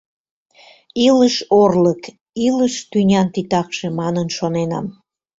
«Илыш — орлык, илыш — тӱнян титакше» манын шоненам.